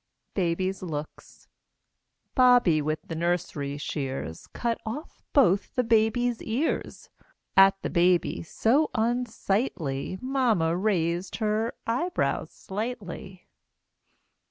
BABY'S LOOKS Bobby with the nursery shears Cut off both the baby's ears; At the baby, so unsightly, Mamma raised her eyebrows slightly.